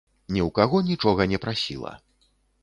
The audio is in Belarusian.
Ні ў каго нічога не прасіла!